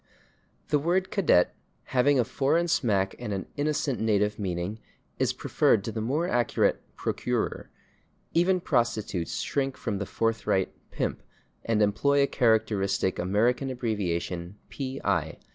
The word /cadet/, having a foreign smack and an innocent native meaning, is preferred to the more accurate /procurer/; even prostitutes shrink from the forthright /pimp/, and employ a characteristic American abbreviation, /P. I.